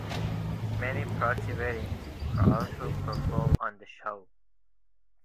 Many proxy weddings are also performed on the show.